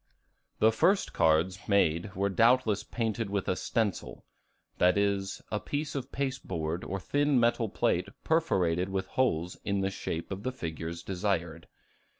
The first cards made were doubtless painted with a stencil; that is, a piece of pasteboard or thin metal plate perforated with holes in the shape of the figures desired.